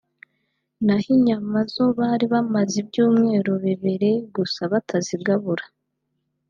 naho inyama zo bari bamaze ibyumweru bibiri (inshuro ebyiri) gusa batazigabura